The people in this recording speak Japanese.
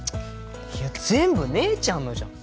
いや全部姉ちゃんのじゃん